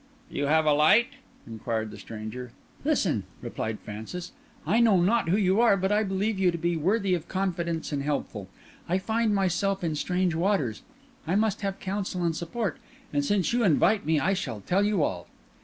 "You have a light?" inquired the stranger. "Listen," replied Francis. "I know not who you are, but I believe you to be worthy of confidence and helpful; I find myself in strange waters; I must have counsel and support, and since you invite me I shall tell you all."